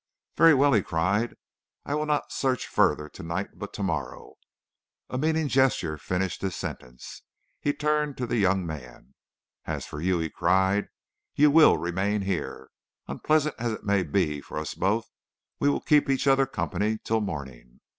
"'Very well,' he cried. 'I will not search further to night; but to morrow ' A meaning gesture finished his sentence; he turned to the young man. 'As for you,' he cried, 'you will remain here. Unpleasant as it may be for us both, we will keep each other's company till morning.